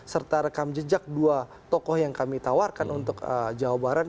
serta rekam jejak dua tokoh yang kami tawarkan untuk jawa barat